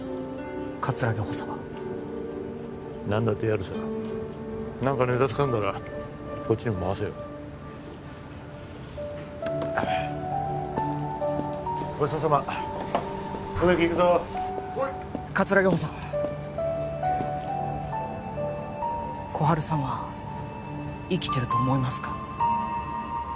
葛城補佐は何だってやるさ何かネタつかんだらこっちにも回せよごちそうさま梅木行くぞはい葛城補佐心春さんは生きてると思いますか？